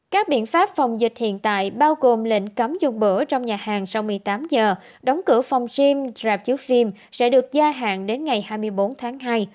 các biện pháp phòng dịch hiện tại bao gồm lệnh cấm dùng bữa trong nhà hàng sau một mươi tám giờ đóng cửa phòng gym rạp chiếu phim sẽ được gia hạn đến ngày hai mươi bốn tháng hai